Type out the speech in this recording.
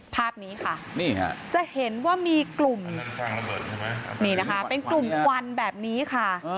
ภาพนี้ค่ะจะเห็นว่ามีกลุ่มเป็นกลุ่มหวันแบบนี้ค่ะ